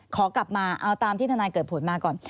ขอกลับมาเอาตามที่ทนายเกิดผลมาก่อน